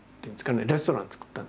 レストラン作ったんですよ。